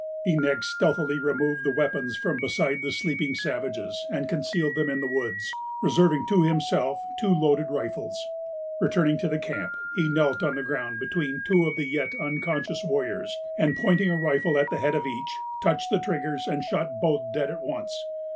He next stealthily removed the weapons from beside the sleeping savages, and concealed them in the woods, reserving to himself two loaded rifles. Returning to the camp, he knelt on the ground between two of the yet unconscious warriors, and, pointing a rifle at the head of each, touched the triggers, and shot both dead at once.